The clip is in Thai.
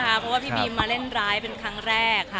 เพราะว่าพี่บีมมาเล่นร้ายเป็นครั้งแรกค่ะ